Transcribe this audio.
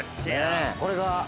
これが。